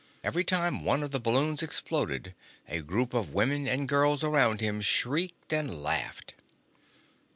Every time one of the balloons exploded, a group of women and girls around him shrieked and laughed.